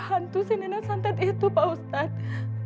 hantu si nenek santet itu pak ustadz